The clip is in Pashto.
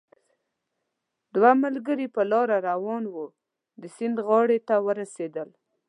دوه ملګري په لاره روان وو، د سیند غاړې ته ورسېدل